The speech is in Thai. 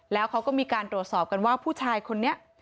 แล้วเขาก็มีการตรวจสอบกันว่าผู้ชายคนนี้